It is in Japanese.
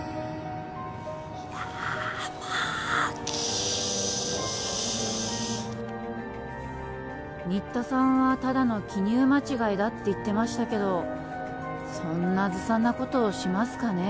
ヤーマーキー新田さんは「ただの記入間違いだ」って言ってましたけどそんなずさんなことしますかね？